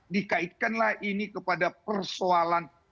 dikaitkanlah ini kepada persoalan